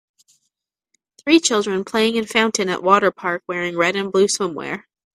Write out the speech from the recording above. Three children playing in fountain at water park wearing red and blue swim wear.